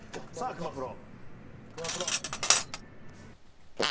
熊プロ。